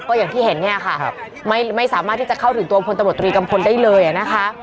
ก็อย่างที่เห็นเนี่ยค่ะไม่สามารถที่จะเข้าถึงตัวพลตำรวจตรีกัมพลได้เลยนะคะ